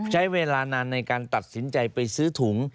ใช้เวลานานในการตัดสินใจไปซื้อถุง